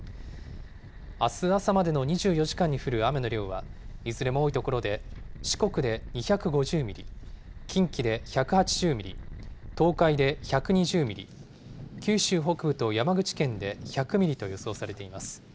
あす朝までの２４時間に降る雨の量は、いずれも多い所で、四国で２５０ミリ、近畿で１８０ミリ、東海で１２０ミリ、九州北部と山口県で１００ミリと予想されています。